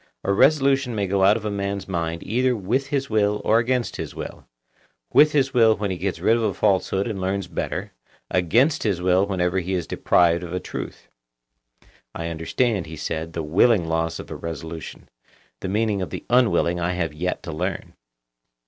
A resolution may go out of a man's mind either with his will or against his will; with his will when he gets rid of a falsehood and learns better, against his will whenever he is deprived of a truth. I understand, he said, the willing loss of a resolution; the meaning of the unwilling I have yet to learn.